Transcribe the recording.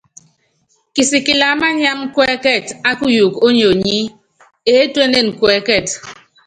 Kisikilɛ á mániáma kuɛ́kɛt á kuyuuku ónyionyi, eétuénen kuɛkɛt.